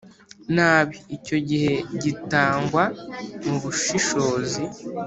nabi Icyo gihe gitangwa mu bushishozi